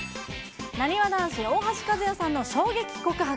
なにわ男子、大橋和也さんの衝撃告白。